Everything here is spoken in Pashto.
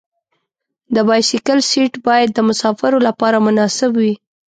د بایسکل سیټ باید د مسافر لپاره مناسب وي.